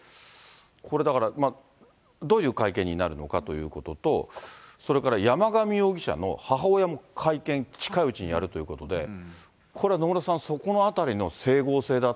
これ、だから、どういう会見になるのかということと、それから山上容疑者の母親も会見、近いうちにやるということで、これは野村さん、そうですね。